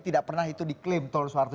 tidak pernah itu diklaim tol soeharto